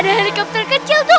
ada helikopter kecil tuh